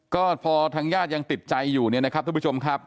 ก็พอทางญาติยังติดใจอยู่เนี่ยนะครับทุกผู้ชมครับ